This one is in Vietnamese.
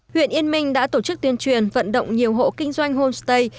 huyện yên minh đã tổ chức tuyên truyền vận động nhiều hộ kinh doanh homestay